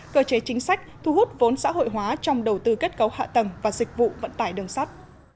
cơ chế chính sách thu hút vốn xã hội hóa trong đầu tư kết cấu hạ tầng và dịch vụ vận tải đường sắt